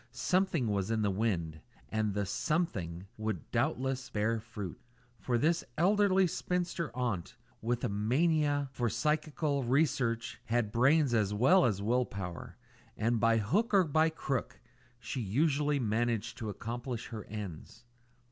Something was in the wind, and the "something" would doubtless bear fruit; for this elderly spinster aunt, with a mania for psychical research, had brains as well as will power, and by hook or by crook she usually managed to accomplish her ends.